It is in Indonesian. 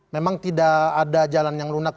memang tidak ada jalan yang lunak